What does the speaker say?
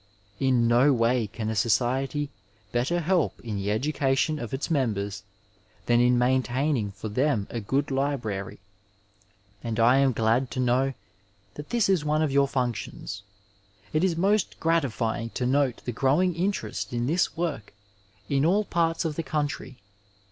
In no way can a society better help in the education of its members than in maintaining for them a good library, and I am glad to know that this is one of your functions. It is most gratifying to note the growing interest in this work in all parts of the country.